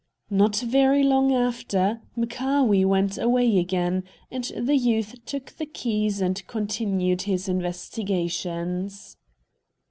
Not very long after, Mchaawee went away again, and the youth took the keys and continued his investigations.